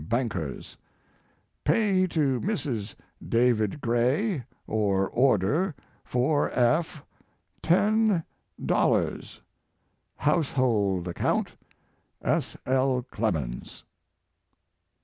BANKERS, Pay to Mrs. David Gray, or Order, for F TEN ........................ DOLLARS. Household Account. S. L. CLEMENS.